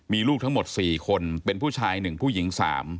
มีลูกทั้งหมด๔คนเป็นผู้ชาย๑ผู้หญิง๓